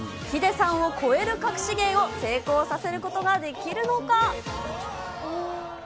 ヒデさんを超えるかくし芸を成功させることができるのか。